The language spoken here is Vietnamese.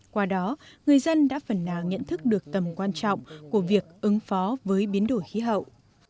qua đó người dân đã phần nào nhận thức được tầm quan trọng của việc ứng phó với biến đổi khí hậu